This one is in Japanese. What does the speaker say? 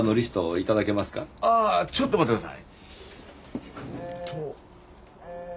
ああちょっと待ってください。